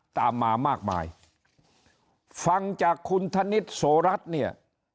ตามมามากมายฟังจากคุณธนิษฐ์โสรัตน์เนี่ย